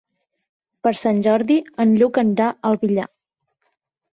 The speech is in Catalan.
Per Sant Jordi en Lluc anirà al Villar.